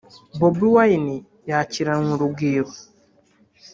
Bobi Wine yakiranywe urugwiro